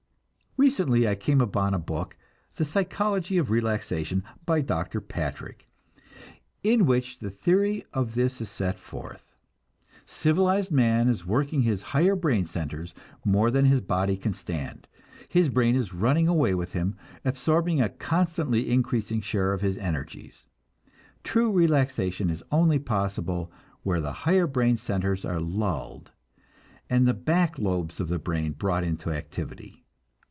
Recently I came upon a book, "The Psychology of Relaxation," by Dr. Patrick, in which the theory of this is set forth. Civilized man is working his higher brain centers more than his body can stand; his brain is running away with him, absorbing a constantly increasing share of his energies. True relaxation is only possible where the higher brain centers are lulled, and the back lobes of the brain brought into activity.